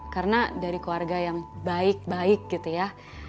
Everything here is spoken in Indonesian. karena dari keluarga yang baik baik gitu ya